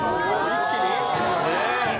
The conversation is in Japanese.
一気に？